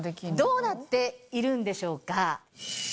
どうなっているんでしょうか？